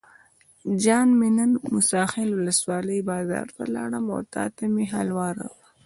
جان مې نن موسی خیل ولسوالۍ بازار ته لاړم او تاته مې حلوا راوړل.